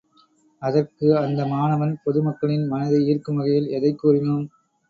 அதற்கு அந்த மாணவன் பொது மக்களின் மனதை ஈர்க்கும் வகையில் எதைக் கூறினோம்?